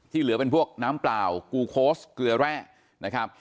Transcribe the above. เหลือเป็นพวกน้ำเปล่ากูโค้ชเกลือแร่นะครับ